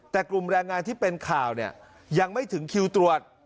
แต่กลุ่มแรงงานที่เป็นข่าวเนี่ยยังไม่ถึงคิวตรวจ